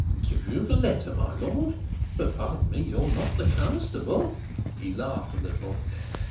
"Give you the letter, my lord? But, pardon me, you're not the constable." He laughed a little.